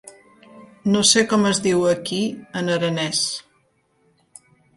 No sé com es diu aquí en aranès.